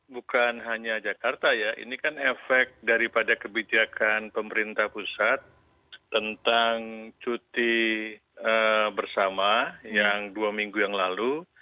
bukan hanya jakarta ya ini kan efek daripada kebijakan pemerintah pusat tentang cuti bersama yang dua minggu yang lalu